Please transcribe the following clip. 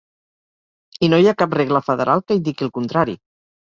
I no hi ha cap regla federal que indiqui el contrari.